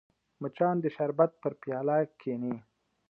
مچان د شربت پر پیاله کښېني